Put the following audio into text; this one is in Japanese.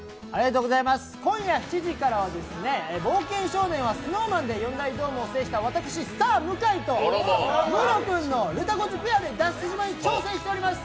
今夜７時からは「冒険少年」はＳｎｏｗＭａｎで４大ドームを制した私、スター・向井と室君の、るたこじペアで脱出島に挑戦しています。